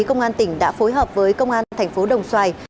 công an tỉnh đã phối hợp với công an tp đồng xoài